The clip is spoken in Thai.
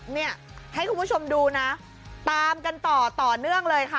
เนี่ยให้คุณผู้ชมดูนะตามกันต่อต่อเนื่องเลยค่ะ